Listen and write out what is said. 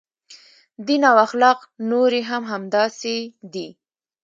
دین او اخلاق نورې هم همداسې دي.